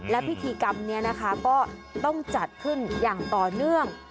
และพิธีกรรมนี้นะคะก็ต้องจัดขึ้นอย่างต่อเนื่อง